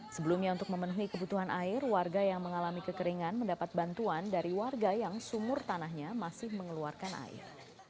sebelumnya untuk memenuhi kebutuhan air warga yang mengalami kekeringan mendapat bantuan dari warga yang sumur tanahnya masih mengeluarkan air